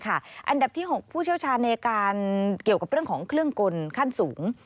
อันดับที่๖ผู้เชี่ยวชาญในการเกี่ยวกับเรื่องของเครื่องกลขั้นสูง